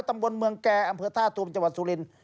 ตำบลเมืองแก่อำเภอท่าตูมจังหวัดสุรินทร์